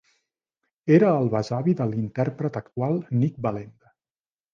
Era el besavi de l'intèrpret actual Nik Wallenda.